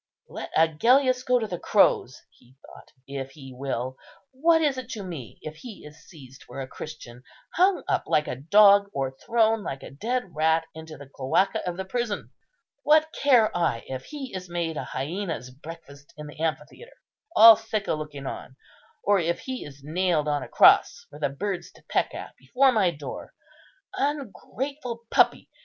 "Let Agellius go to the crows," he thought, "if he will; what is it to me if he is seized for a Christian, hung up like a dog, or thrown like a dead rat into the cloaca of the prison? What care I if he is made a hyæna's breakfast in the amphitheatre, all Sicca looking on, or if he is nailed on a cross for the birds to peck at before my door? Ungrateful puppy!